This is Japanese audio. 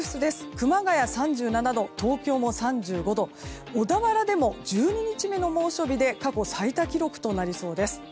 熊谷は３７度、東京も３５度小田原でも１２日目の猛暑日で過去最多記録となりそうです。